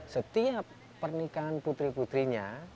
setiap pernikahan putri putrinya